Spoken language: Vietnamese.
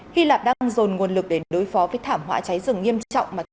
hy lạp đang dồn nguồn lực để đối phó với thảm họa cháy rừng nghiêm trọng